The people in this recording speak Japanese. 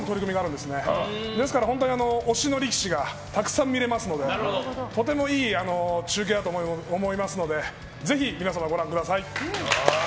ですから本当に推しの力士がたくさん見れますのでとてもいい中継だと思いますのでぜひ皆様ご覧ください。